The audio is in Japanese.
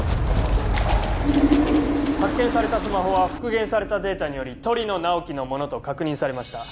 発見されたスマホは復元されたデータにより鳥野直木のものと確認されました